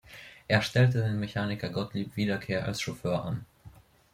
Er stellte den Mechaniker Gottlieb Wiederkehr als Chauffeur an.